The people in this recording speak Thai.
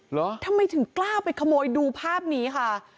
เหรอทำไมถึงกล้าไปขโมยดูภาพนี้ค่ะ